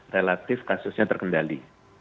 relatif kasusnya terkendali